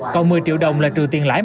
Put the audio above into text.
còn một mươi triệu đồng là trừ tiền truyền